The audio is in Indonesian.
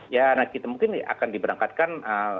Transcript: ya nah kita mungkin akan diberangkatkan